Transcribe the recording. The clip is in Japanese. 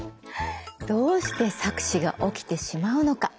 どうして錯視が起きてしまうのか？